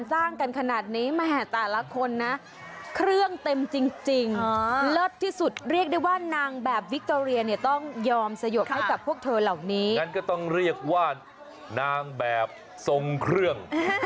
เธอคือคนพิเศษที่ฉันนั้นรอมานาน